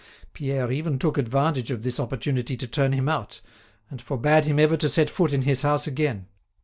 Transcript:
Pierre even took advantage of this opportunity to turn him out, and forbade him ever to set foot in his house again.